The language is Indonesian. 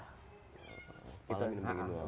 kita minum dua